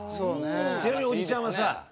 それに、おじちゃんはさ